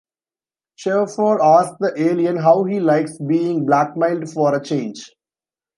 Shaeffer asks the alien how he likes being blackmailed for a change.